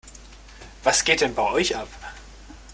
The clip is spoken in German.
Was geht denn bei euch ab?